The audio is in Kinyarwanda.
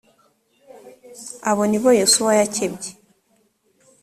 abo ni bo yosuwa yakebye